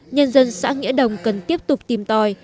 nhân dân xã nghĩa đồng cần tiếp tục tìm tòi